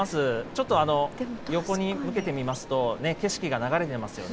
ちょっと横に向けてみますと、景色が流れてますよ